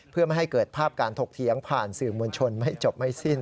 เพื่อไม่ให้เกิดภาพการถกเถียงผ่านสื่อมวลชนไม่จบไม่สิ้น